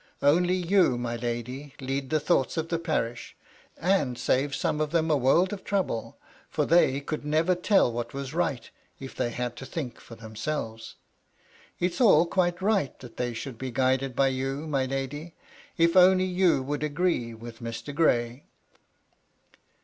Only you, my lady, lead the thoug hts of the parish ; and save some of them a world of trouble, fin* they could never tell what was right if they had to think for themselves. It's all quite right that they should be guided by you, my lady, — ^if only you would agree with Mr. Gray."